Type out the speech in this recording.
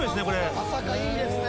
安積いいですね。